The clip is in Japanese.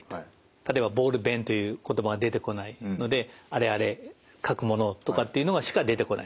例えば「ボールペン」という言葉が出てこないので「あれあれ書くものを」とかっていうのがしか出てこない。